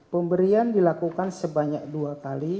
pemberian dilakukan sebanyak dua kali